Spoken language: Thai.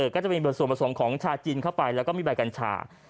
ก็จะมีส่วนผสมของชาจินเข้าไปแล้วก็มีใบกัญชา